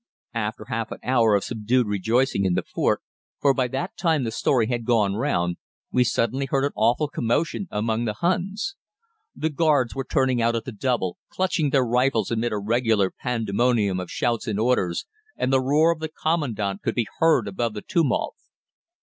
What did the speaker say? After half an hour of subdued rejoicing in the fort, for by that time the story had gone round, we suddenly heard an awful commotion among the Huns. The guards were turning out at the double, clutching their rifles amid a regular pandemonium of shouts and orders, and the roar of the Commandant could be heard above the tumult.